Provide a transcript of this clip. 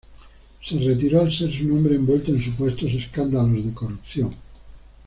Se retiró al ser su nombre envuelto en supuestos escándalos de corrupción.